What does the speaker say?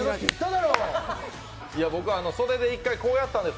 僕は袖で一回、こうやったんです。